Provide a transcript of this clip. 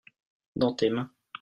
dans tes mains.